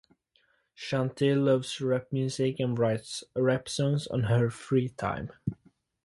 Shanti loves rap music and writes rap songs in her free time.